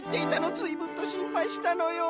ずいぶんとしんぱいしたのよ」。